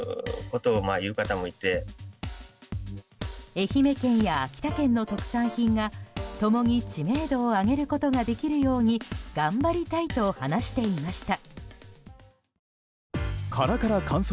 愛媛県や秋田県の特産品が共に知名度を上げることができるように頑張りたいと話していました。